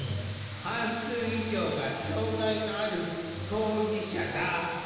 半数以上が障害のある当事者だ。